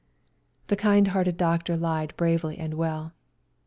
The kind hearted doctor lied bravely and well.